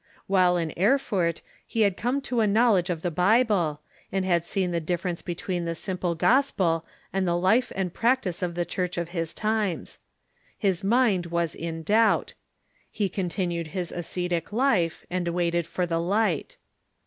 While in Erfurt he had come to a knowledge of the Bible, and had seen the difference between the simple gos Lutherin |^^^^^ ^}^g Ijf^ ^^^ practice of the Church of his Wittenberg ^.... times. His mind was in doubt. He continued his ascetic life, and waited for the light.